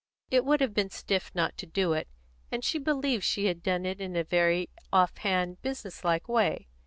It would have been stiff not to do it, and she believed she had done it in a very off hand, business like way.